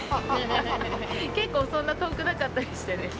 結構そんな遠くなかったりしてね。